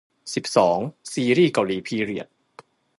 สิบสอง ซีรีส์เกาหลีพีเรียด